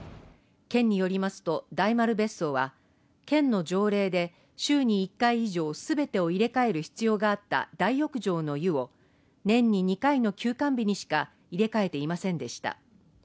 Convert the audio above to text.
県によりますと、大丸別荘は、県の条例で週に１回以上全てを入れ替える必要があった大浴場の湯を年に２回の休館日にしか入れ替えていませんでした。